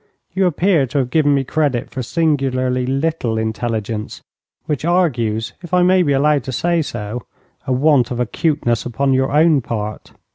You appear to have given me credit for singularly little intelligence, which argues, if I may be allowed to say so, a want of acuteness upon your own part.